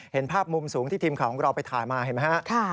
เห็นภาพมุมสูงที่ทีมข่าวของเราไปถ่ายมาเห็นไหมฮะ